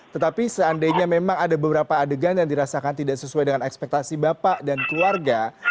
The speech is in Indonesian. tetapi seandainya memang ada beberapa adegan yang dirasakan tidak sesuai dengan ekspektasi bapak dan keluarga